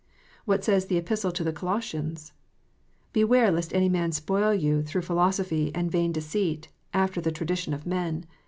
What says the Epistle to the Colossians 1 " Beware lest any man spoil you through philo sophy and vain deceit, after the tradition of men."